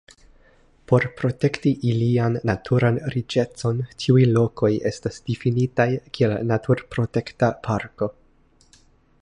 Por protekti ilian naturan riĉecon tiuj lokoj estas difinitaj kiel naturprotekta parko.